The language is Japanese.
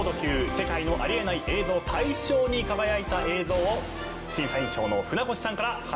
世界のありえない映像大賞」に輝いた映像を審査委員長の船越さんから発表していただきましょう。